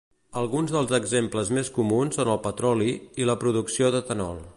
Alguns dels exemples més comuns són el petroli, i la producció d'etanol.